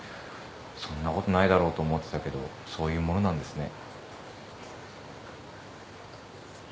そんなことないだろうと思ってたけどそういうものなんですね。